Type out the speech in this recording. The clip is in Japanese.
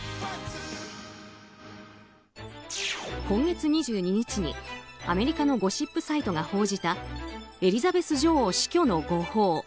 今月２２日に、アメリカのゴシップサイトが報じたエリザベス女王死去の誤報。